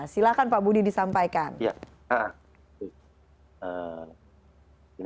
silahkan pak budi disampaikan